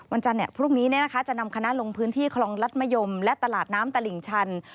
วันจันทร์นี้พรุ่งนี้จะนำคณะลงพื้นที่ครองรัฐมยมและตลาดน้ำตลิ่งชัน